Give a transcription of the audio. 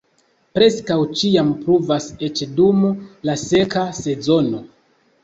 Preskaŭ ĉiam pluvas eĉ dum la seka sezono.